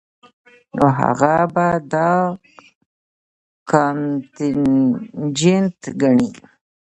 نو هغه به دا کانټنجنټ ګڼي